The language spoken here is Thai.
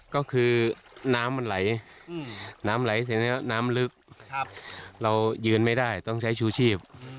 ก็คือน้ำมันไหลน้ำไหลเสร็จแล้วน้ำลึกเรายืนไม่ได้ต้องใช้ชูชีพ